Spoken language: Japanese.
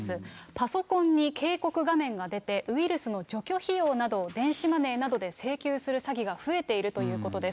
パソコンに警告画面が出て、ウイルスの除去費用などを、電子マネーなどで請求する詐欺が増えているということです。